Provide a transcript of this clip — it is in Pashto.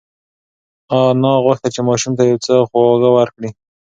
انا غوښتل چې ماشوم ته یو څه خواږه ورکړي.